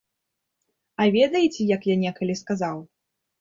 А ведаеце, як я некалі сказаў?